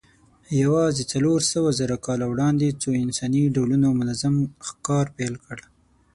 یواځې څلورسوهزره کاله وړاندې څو انساني ډولونو منظم ښکار پیل کړ.